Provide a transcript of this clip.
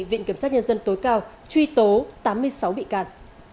viện kiểm sát nhân dân tối cao truy tố tám mươi sáu bị can